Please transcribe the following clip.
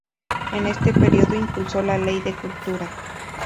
En ese período impulsó la ley de cultura.